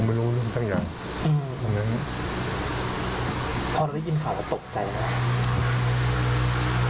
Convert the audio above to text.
พอได้ยินข่าวตกใจ